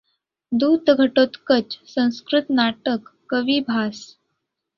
दूतघटोत्कच संस्कृत नाटक कवी भास